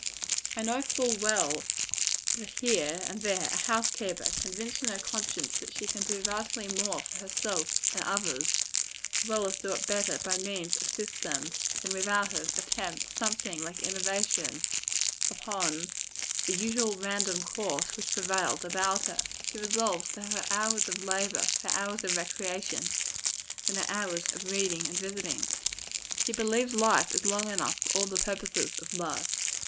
I know, full well, that here and there a house keeper, convinced in her conscience that she can do vastly more for herself and others, as well as do it better, by means of system, than without it, attempts something like innovation upon the usual random course which prevails about her. She resolves to have her hours of labor, her hours of recreation, and her hours of reading and visiting. She believes life is long enough for all the purposes of life.